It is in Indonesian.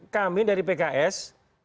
kami dari pks